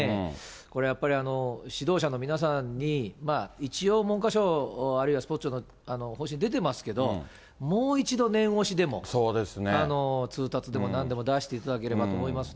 これやっぱり、指導者の皆さんに、一応、文科省、あるいはスポーツ庁の方針、出てますけど、もう一度念押しでも、通達でもなんでも出していただければと思いますね。